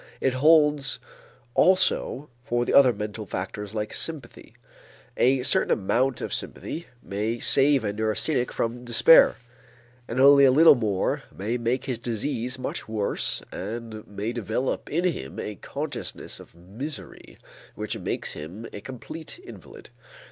It holds also for the other mental factors like sympathy. A certain amount of sympathy may save a neurasthenic from despair, and only a little more may make his disease much worse and may develop in him a consciousness of misery which makes him a complete invalid.